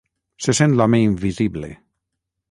Se sent l'home invisible.